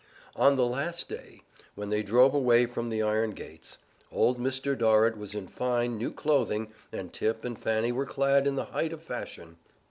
On the last day, when they drove away from the iron gates, old Mr. Dorrit was in fine, new clothing, and Tip and Fanny were clad in the height of fashion.